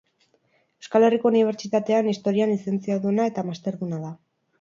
Euskal Herriko Unibertsitatean Historian lizentziaduna eta masterduna da.